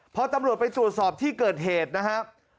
พอตำรวจไปตรวจสอบที่เกิดเหตุนะครับ